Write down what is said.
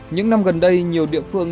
những năm gần đây nhiều địa phương